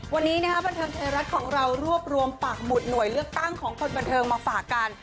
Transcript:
วันนี้นะครับบันเทิงไทยรัฐของเรารวบรวมปากหมุดหน่วยเลือกตั้งของคนบันเทิงมาฝากกัน